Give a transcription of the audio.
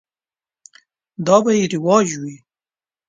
دا به یې رواج وي.